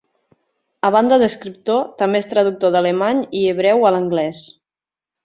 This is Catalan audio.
A banda d'escriptor, també és traductor d'alemany i hebreu a l'anglès.